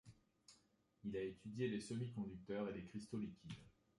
Il a étudié les semi-conducteurs et les cristaux liquides.